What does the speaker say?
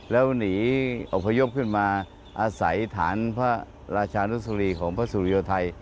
แล้วหนีอพยพขึ้นมาอาศัยฐานพระราชานุสรีของพระสุริยไทย